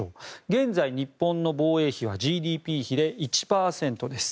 現在、日本の防衛費はＧＤＰ比で１％です。